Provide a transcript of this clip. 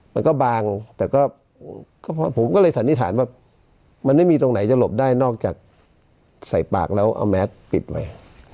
บางแต่ก็ผมก็เลยสันนิษฐานว่ามันไม่มีตรงไหนจะหลบได้นอกจากใส่ปากแล้วเอาแมสปิดไว้